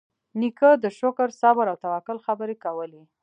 نیکه د شکر، صبر، او توکل خبرې کوي.